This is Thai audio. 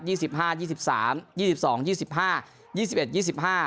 ี่สิบห้ายี่สิบสามยี่สิบสองยี่สิบห้ายี่สิบเอ็ดยี่สิบห้า